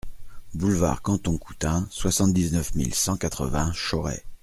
Boulevard Canton Coutain, soixante-dix-neuf mille cent quatre-vingts Chauray